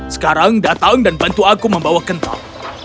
sekarang datang dan bantu aku membawa kental